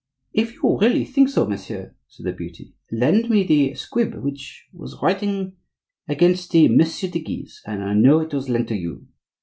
"If you really think so, monsieur," said the beauty, "lend me the squib which was written against the Messieurs de Guise; I know it was lent to you."